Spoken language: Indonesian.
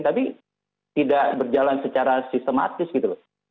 tapi tidak berjalan secara sistematis gitu loh